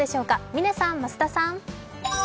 嶺さん、増田さん！